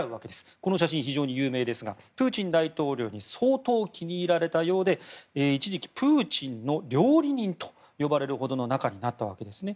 この写真は非常に有名ですがプーチン大統領に相当気に入られたようで一時期、プーチンの料理人と呼ばれるほどの仲になったわけですね。